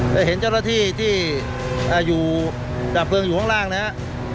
จะเห็นเจ้าหน้าที่ที่อยู่ดับเพลิงอยู่ข้างล่างนะครับ